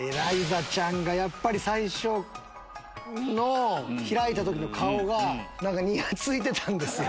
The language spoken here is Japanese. エライザちゃんが最初開いた時の顔がニヤついてたんですよ。